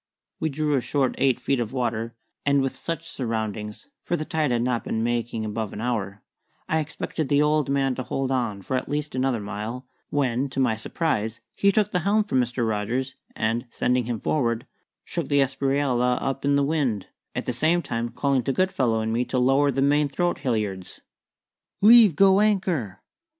We drew a short eight feet of water, and with such soundings (for the tide had not been making above an hour) I expected the old man to hold on for at least another mile, when, to my surprise, he took the helm from Mr. Rogers and, sending him forward, shook the Espriella up in the wind, at the same time calling to Goodfellow and me to lower the main throat halliards. "Leave go anchor!"